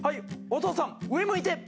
お父さん上向いて」